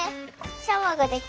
シャワーができた。